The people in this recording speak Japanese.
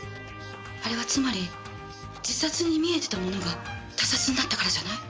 あれはつまり自殺に見えてたものが他殺になったからじゃない？